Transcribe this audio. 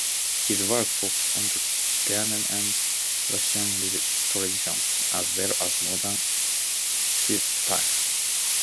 His work focused on the German and Russian traditions, as well as modern styles.